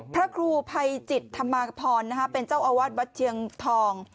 พระครูภัยจิตธรรมาคพรเป็นเจ้าอาวาสวัดเชียงทอง